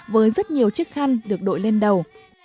với rất nhiều chiếc khăn được đội lên đầu